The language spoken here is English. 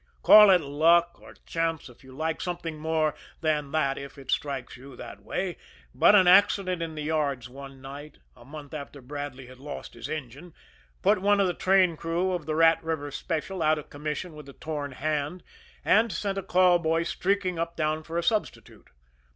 Call it luck or chance if you like, something more than that if it strikes you that way but an accident in the yards one night, a month after Bradley had lost his engine, put one of the train crew of the Rat River Special out of commission with a torn hand, and sent a call boy streaking uptown for a substitute.